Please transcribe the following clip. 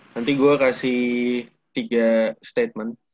nanti gue kasih tiga statement